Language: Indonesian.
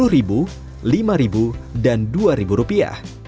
sepuluh ribu lima ribu dan dua ribu rupiah